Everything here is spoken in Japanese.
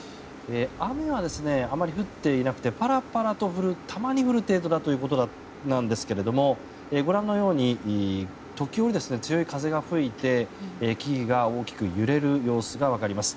雨はあまり降っていなくてパラパラとたまに降る程度だということですがご覧のように時折、強い風が吹いて木々が大きく揺れる様子がわかります。